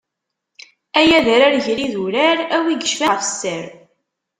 Ay adrar gar idurar, a wi yeccfan ɣef sser.